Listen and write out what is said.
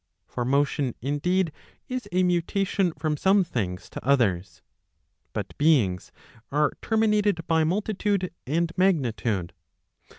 For motion indeed is a mutation from some things to others. But beings are terminated by multitude and magnitude.